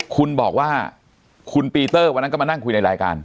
คุณบอกว่าคุณปีเตอร์วันนั้นก็มานั่งคุยในรายการ